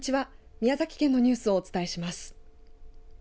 宮崎県のニュースをお伝えします。